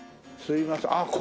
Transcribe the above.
すいませんあ